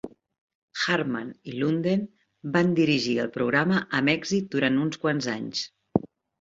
Hartman i Lunden van dirigir el programa amb èxit durant uns quants anys.